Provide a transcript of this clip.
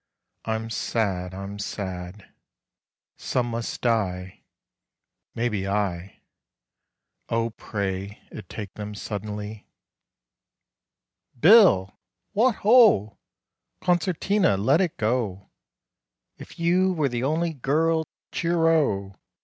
I'm sad.... I'm sad: Some must die (Maybe I): O pray it take them suddenly! "Bill!" "Wot ho!" "Concertina: let it go 'If you were the Only Girl.'" "Cheero!"